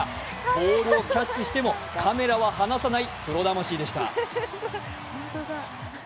ボールをキャッチしてもカメラは離さないプロ魂でした。